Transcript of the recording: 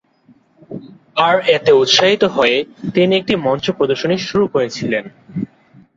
আর এতে উৎসাহিত হয়ে তিনি একটি মঞ্চ প্রদর্শনী শুরু করেছিলেন।